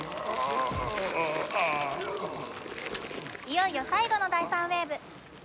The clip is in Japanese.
いよいよ最後の第３ウェーブ。